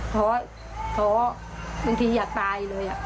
ท้อท้อบางทีอยากตายเลย